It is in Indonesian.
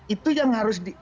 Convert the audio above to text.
itu yang harus di